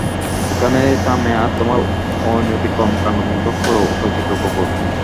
ওখানেই থামো আর তোমার অনৈতিক কর্মকান্ড বন্ধ করো, অপরিচিত কুকুর।